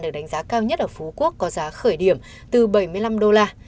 được đánh giá cao nhất ở phú quốc có giá khởi điểm từ bảy mươi năm đô la